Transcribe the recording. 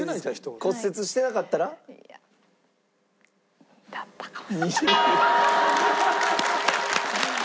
骨折してなかったら？だったかも。